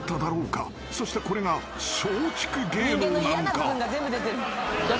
［そしてこれが松竹芸能なのか？］